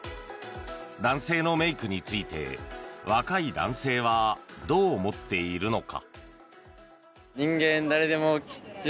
男性のメイクについて若い男性はどう思っているのか。